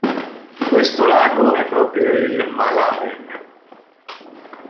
Questo lago è proprio il Mälaren.